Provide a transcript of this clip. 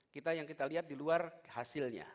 kita yang kita lihat di luar hasilnya